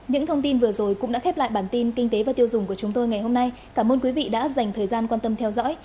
những thông tin vừa rồi cũng đã khép lại bản tin kinh tế và tiêu dùng của chúng tôi ngày hôm nay cảm ơn quý vị đã dành thời gian quan tâm theo dõi